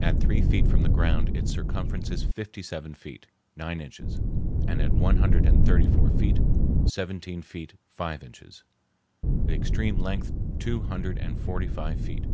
At three feet from the ground its circumference is fifty seven feet, nine inches; at one hundred and thirty four feet, seventeen feet five inches; the extreme length two hundred and forty five feet....